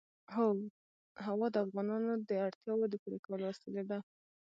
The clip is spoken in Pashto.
هوا د افغانانو د اړتیاوو د پوره کولو وسیله ده.